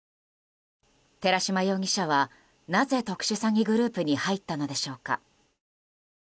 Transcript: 寺島容疑者はなぜ特殊詐欺グループに入ったのでしょうか。